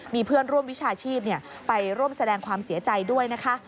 มีเพื่อนร่วมวิชาชีพไปร่วมแสดงความเสียใจด้วยนะคะ